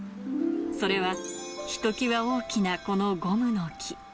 それは、ひときわ大きなこのゴムの木。